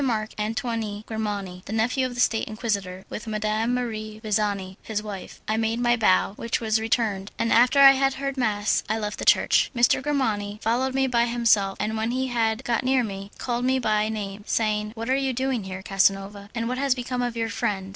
Marc Antoine Grimani, the nephew of the State Inquisitor, with Madame Marie Visani, his wife. I made my bow; which was returned, and after I had heard mass I left the church. M. Grimani followed me by himself, and when he had got near me, called me by name, saying, "What are you doing here, Casanova, and what has become of your friend?"